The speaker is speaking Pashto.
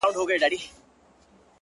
• ما چي ورلېږلی وې رویباره جانان څه ویل,